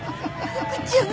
福ちゃん。